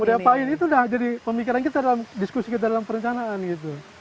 mau diapain itu udah jadi pemikiran kita dalam diskusi kita dalam perencanaan gitu